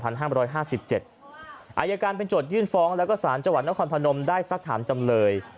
ในการเป็นจดยื่นฟ้องและสารจังหวัดนครพนมได้ศักดิ์ถามจำเลย